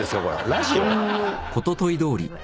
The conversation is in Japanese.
ラジオ？